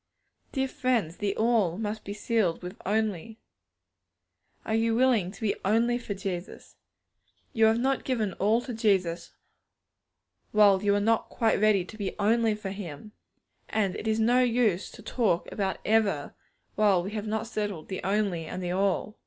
Dear friends, the 'all' must be sealed with 'only.' Are you willing to be 'only' for Jesus? You have not given 'all' to Jesus while you are not quite ready to be 'only' for Him. And it is no use to talk about 'ever' while we have not settled the 'only' and the 'all.'